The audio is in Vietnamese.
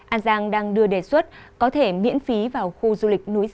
an giang đang đưa đề xuất có thể miễn phí vào khu